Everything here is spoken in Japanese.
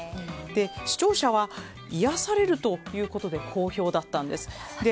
視聴者には癒やされるということで好評だったんです。